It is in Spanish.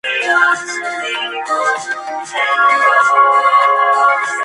Fue en su país natal, Australia, durante el Challenger de Sídney.